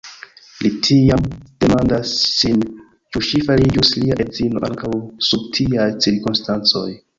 Li tiam demandas sin, ĉu ŝi fariĝus lia edzino ankaŭ sub tiaj cirkonstancoj.